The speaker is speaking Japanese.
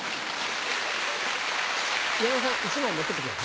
山田さん１枚持ってってくれる？